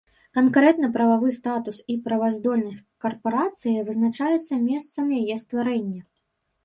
Канкрэтны прававы статус і праваздольнасць карпарацыі вызначаецца месцам яе стварэння.